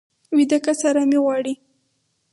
ویده کس ارامي غواړي